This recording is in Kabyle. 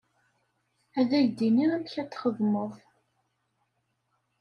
Ad k-d-iniɣ amek ad t-txedmeḍ.